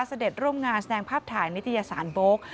ร่วมงานแสดงภาพถ่ายนิตยสารโบ๊ค